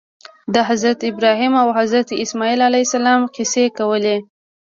د حضرت ابراهیم او حضرت اسماعیل علیهم السلام قصې کولې.